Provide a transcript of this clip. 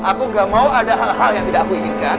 aku gak mau ada hal hal yang tidak aku inginkan